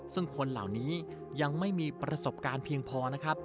ซึ่งคนเหล่านี้ยังไม่มีประสบการณ์เพียงพอนะครับ